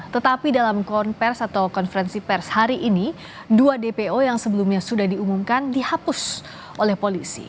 tetapi dalam konvers atau konferensi pers hari ini dua dpo yang sebelumnya sudah diumumkan dihapus oleh polisi